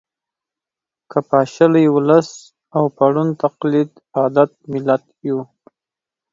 که پاشلی ولس او په ړوند تقلید عادت ملت یو